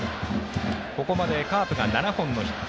ここまでカープが７本のヒット。